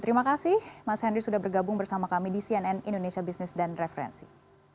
terima kasih mas henry sudah bergabung bersama kami di cnn indonesia business dan referensi